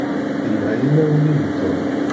Yelha yinaw-nni n Tom.